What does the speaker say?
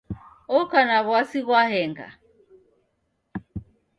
Oka na w'asi ghwa henga